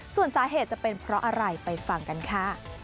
ส่วนสาเหตุจะเป็นเพราะอะไรไปฟังกันค่ะ